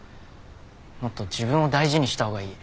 もっと自分を大事にした方がいい。